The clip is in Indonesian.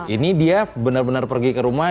ini dia benar benar pergi ke rumah